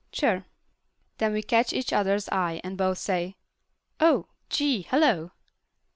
"Sure." Then we catch each other's eye and both say, "Oh. Gee, hello."